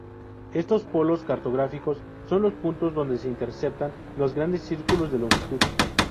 Estos polos cartográficos son los puntos donde se interceptan los grandes círculos de longitud.